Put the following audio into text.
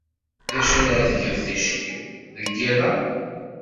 D acu ara tged ticki, deg yiḍ-a?